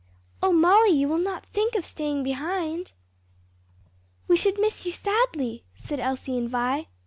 "O Molly you will not think of staying behind?" "We should miss you sadly," said Elsie and Vi.